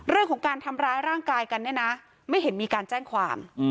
เรื่องของการทำร้ายร่างกายกันเนี่ยนะไม่เห็นมีการแจ้งความ